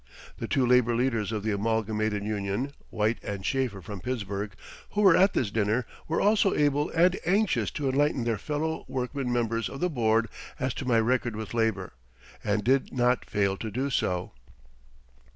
The two labor leaders of the Amalgamated Union, White and Schaeffer from Pittsburgh, who were at this dinner, were also able and anxious to enlighten their fellow workmen members of the Board as to my record with labor, and did not fail to do so.